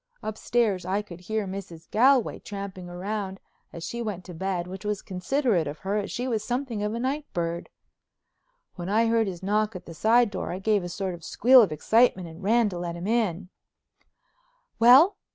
Upstairs I could hear Mrs. Galway tramping round as she went to bed, which was considerate of her as she was something of a night bird. When I heard his knock at the side door, I gave a sort of squeal of excitement and ran to let him in. "Well?"